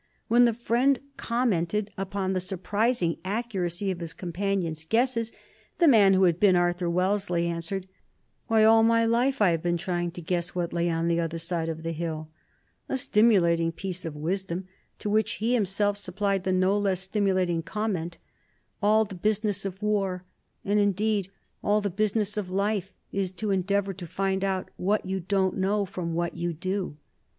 When the friend commented upon the surprising accuracy of his companion's guesses the man who had been Arthur Wellesley answered: "Why, all my life I have been trying to guess what lay on the other side of the hill;" a stimulating piece of wisdom, to which he himself supplied the no less stimulating comment: "All the business of war, and, indeed, all the business of life, is to endeavor to find out what you don't know from what you do."